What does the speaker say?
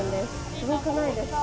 すごくないですか？